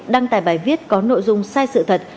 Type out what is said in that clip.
đăng tải bài viết có nội dung sai sự thật